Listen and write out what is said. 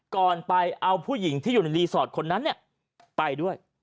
ก่อนไปเอาผู้หญิงที่อยู่ในรีสอร์ทคนนั้นไปด้วย